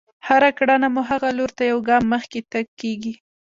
هره کړنه مو هغه لور ته يو ګام مخکې تګ کېږي.